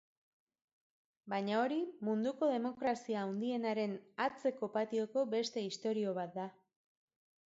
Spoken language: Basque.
Baina hori munduko demokrazia handienaren atzeko patioko beste istorio bat da.